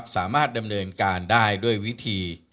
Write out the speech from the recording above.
สามารถดำเนินการได้ด้วยวิธี